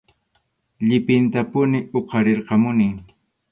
Llipintapuni huqarirqamuni.